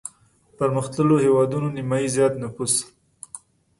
پرمختلليو هېوادونو نيمايي زيات نفوس